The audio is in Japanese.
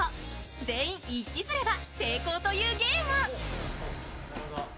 全員一致すれば成功というゲーム。